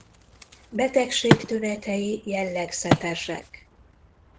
Betegség tünetei jellegzetesek.